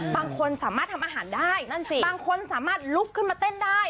บางคนสามารถทำอาหารได้นั่นสิบางคนสามารถลุกขึ้นมาเต้นได้